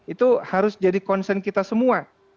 itu harus jadi concern kita semua